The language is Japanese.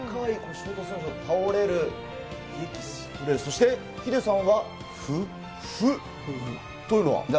倒れる、そしてヒデさんは不。というのは？